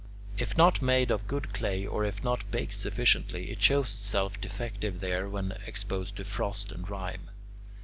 If not made of good clay or if not baked sufficiently, it shows itself defective there when exposed to frosts and rime.